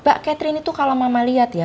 mbak catherine itu kalau mama lihat ya